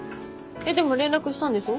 でも連絡したんでしょ？